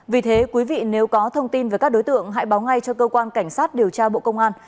vì thế quý vị nếu có thông tin về các đối tượng hãy báo ngay cho cơ quan cảnh sát điều tra bộ công an